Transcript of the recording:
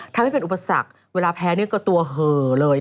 ทำให้เป็นอุปสรรคเวลาแพ้เนี่ยก็ตัวเห่อเลย